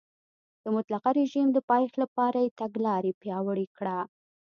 د مطلقه رژیم د پایښت لپاره یې تګلاره پیاوړې کړه.